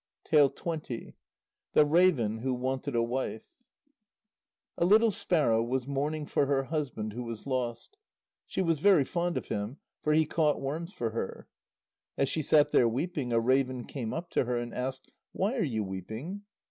THE RAVEN WHO WANTED A WIFE A little sparrow was mourning for her husband who was lost. She was very fond of him, for he caught worms for her. As she sat there weeping, a raven came up to her and asked: "Why are you weeping?"